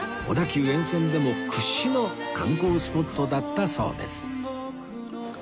小田急沿線でも屈指の観光スポットだったそうです